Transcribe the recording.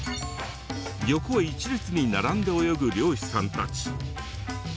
横一列に並んで泳ぐ漁師さんたち。